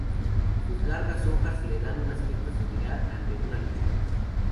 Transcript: Sus largas hojas le dan un aspecto similar al de la lechuga.